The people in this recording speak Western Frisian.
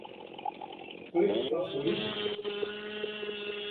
Klik Favoriten.